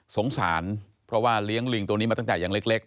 สงสารเพราะว่าเลี้ยงลิงตัวนี้มาตั้งแต่ยังเล็ก